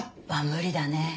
無理だね